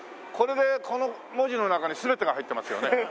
これでこの文字の中に全てが入ってますよね。